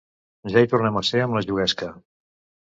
Ja hi tornem a ser amb la juguesca.